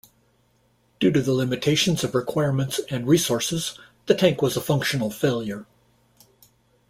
Due to the limitations of requirements and resources, the tank was a functional failure.